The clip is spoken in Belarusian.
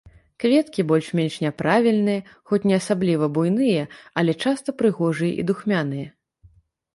Кветкі больш-менш няправільныя, хоць не асабліва буйныя, але часта прыгожыя і духмяныя.